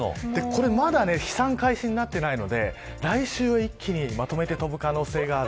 まだ飛散開始になっていないので来週一気にまとめて飛ぶ可能性がある。